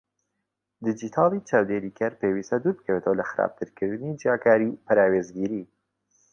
دیجیتاڵی چاودێرکەر پێویستە دووربکەوێتەوە لە خراپترکردنی جیاکاری و پەراوێزگیری؛